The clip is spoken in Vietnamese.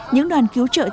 những đoàn cứu trợ tự phát